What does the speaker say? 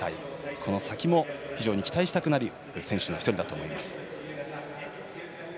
この先も非常に期待したくなる選手の１人だと思います。